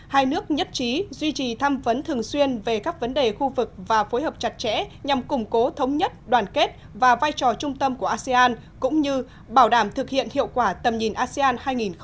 hai nước nhất trí duy trì thăm vấn thường xuyên về các vấn đề khu vực và phối hợp chặt chẽ nhằm củng cố thống nhất đoàn kết và vai trò trung tâm của asean cũng như bảo đảm thực hiện hiệu quả tầm nhìn asean hai nghìn hai mươi năm